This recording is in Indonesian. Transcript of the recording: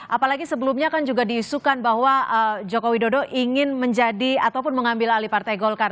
apalagi sebelumnya kan juga diisukan bahwa joko widodo ingin menjadi ataupun mengambil alih partai golkar